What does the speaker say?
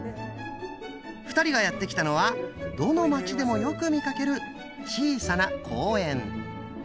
２人がやって来たのはどの街でもよく見かける小さな公園。